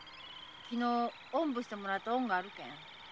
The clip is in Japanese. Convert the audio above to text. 昨日おんぶしてもらった恩があるけん。